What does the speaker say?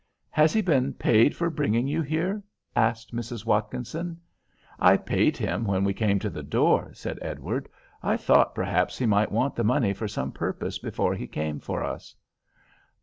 "Has he been paid for bringing you here?" asked Mrs. Watkinson. "I paid him when we came to the door," said Edward. "I thought perhaps he might want the money for some purpose before he came for us."